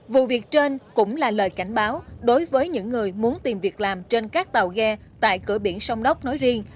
vụ việc trên cũng là lời cảnh báo đối với những người muốn tìm việc làm trên các tàu ghe tại cửa biển sông đốc nói riêng